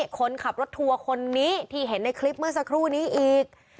คนขับรถทัวร์คนนี้ที่เห็นในคลิปเมื่อสักครู่นี้อีก